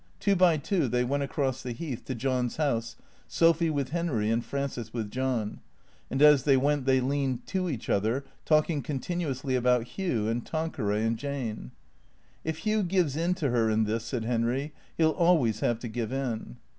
Two by two they went across the Heath to John's house, Sophy with Henry and Frances with John ; and as they went they leaned to each other, talking continuously about Hugh, and Tanqueray, and Jane. " If Hugh gives in to her in this," said Henry, " he '11 always have to give in."